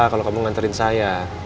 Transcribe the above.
kalau kamu nganterin saya